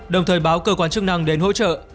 đồng thời báo cơ quan chức năng đến hỗ trợ